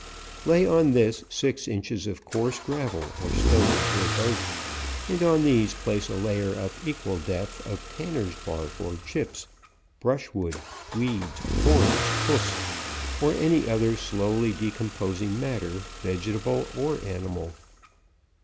Lay on this, six inches of coarse gravel, or stones, or both, and on these place a layer of equal depth of tanners' bark, or chips, brush wood, weeds, horns, hoofs, or any other slow ly decomposing matter, vegetable or animal.